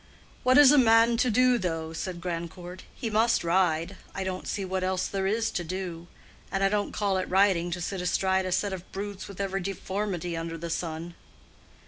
"What is a man to do, though?" said Grandcourt. "He must ride. I don't see what else there is to do. And I don't call it riding to sit astride a set of brutes with every deformity under the sun."